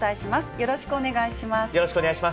よろしくお願いします。